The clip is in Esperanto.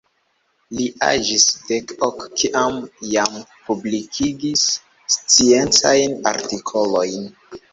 Li aĝis dek ok, kiam jam publikigis sciencajn artikolojn.